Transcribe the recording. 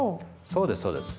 そうですそうです。